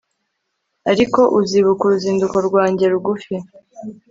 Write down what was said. Ariko uzibuka uruzinduko rwanjye rugufi